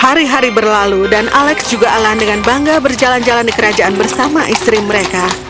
hari hari berlalu dan alex juga alahan dengan bangga berjalan jalan di kerajaan bersama istri mereka